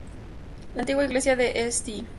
La antigua iglesia de St.